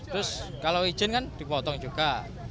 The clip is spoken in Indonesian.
terus kalau izin kan dipotong juga